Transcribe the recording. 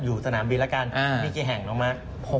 อยู่สนามบินแล้วกันมีกี่แห่งลงมา